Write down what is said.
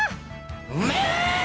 うめえ！